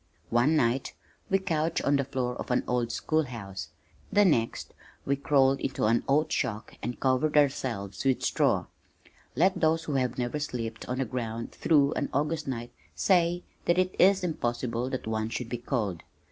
One night we couched on the floor of an old school house, the next we crawled into an oat shock and covered ourselves with straw. Let those who have never slept out on the ground through an August night say that it is impossible that one should be cold!